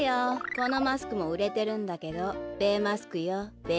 このマスクもうれてるんだけどべマスクよべ。